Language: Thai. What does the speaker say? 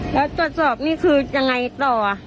แล้วตรวจสอบนี่คือยังไงต่อ